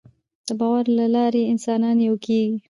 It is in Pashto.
د باور له لارې انسانان یو کېږي.